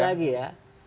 sekali lagi ya